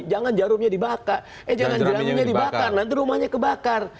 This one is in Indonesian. jangan jarumnya dibakar eh jangan jeraminya dibakar nanti rumahnya kebakar